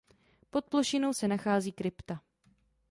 Pod plošinou se nachází krypta.